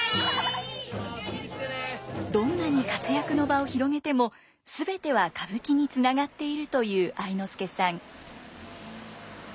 どんなに活躍の場を広げても全ては歌舞伎につながっているという愛之助さん。